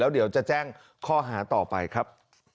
เดี๋ยวจะแจ้งข้อหาต่อไปครับ